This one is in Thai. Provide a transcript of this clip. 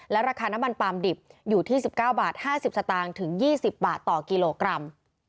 ราคาน้ำมันปาล์มดิบอยู่ที่๑๙บาท๕๐สตางค์ถึง๒๐บาทต่อกิโลกรัม